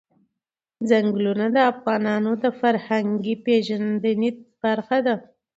چنګلونه د افغانانو د فرهنګي پیژندنې برخه ده.